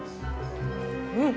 うん！